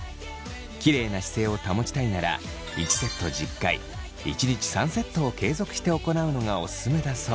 きれいな姿勢を保ちたいなら１セット１０回１日３セットを継続して行うのがオススメだそう。